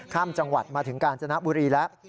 ข้ามจังหวัดมาถึงกาญจนบุรีแล้ว